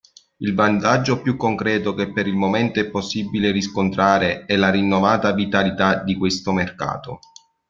Il vantaggio più concreto che per il momento è possibile riscontrare è la rinnovata vitalità di questo mercato.